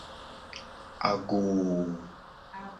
Agoo.